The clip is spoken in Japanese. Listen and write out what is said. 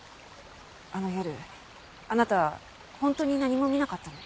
あの夜あなた本当に何も見なかったの？